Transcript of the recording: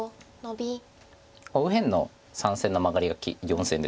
右辺の３線のマガリ４線です。